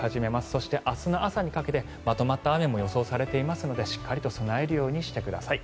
そして明日の朝にかけてまとまった雨も予想されていますのでしっかりと備えるようにしてください。